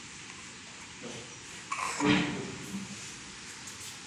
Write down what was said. Non. Coido que estou sufrindo...